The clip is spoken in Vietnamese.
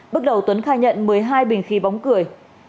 bước đầu tuấn khai nhận một mươi hai bình khí bóng cười